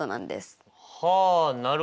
はあなるほど。